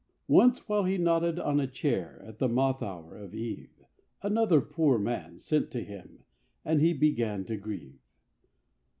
Once, while he nodded on a chair, At the moth hour of eve, Another poor man sent for him, And he began to grieve.